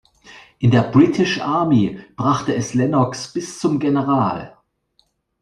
In der British Army brachte es Lennox bis zum General.